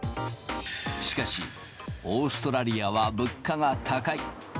しかし、オーストラリアは物価が高い。